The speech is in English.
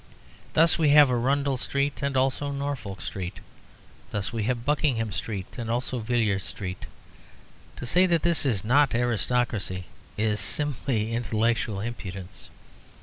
Thus we have Arundel Street and also Norfolk Street; thus we have Buckingham Street and also Villiers Street. To say that this is not aristocracy is simply intellectual impudence.